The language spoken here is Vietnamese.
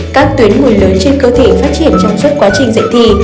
các tuyến bùi lớn trên cơ thể phát triển trong suốt quá trình dạy thi